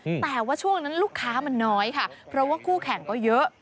แต่ว่าช่วงนั้นลูกค้ามันน้อยค่ะเพราะว่าคู่แข่งก็เยอะ